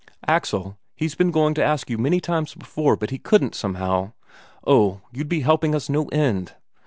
Axel, he's been going to ask you a many times before, but he couldn't, somehow. Oh, you'd be helping us no end!"